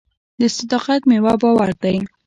د صداقت میوه باور دی.